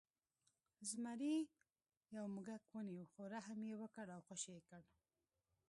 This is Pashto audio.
زمري یو موږک ونیو خو رحم یې وکړ او خوشې یې کړ.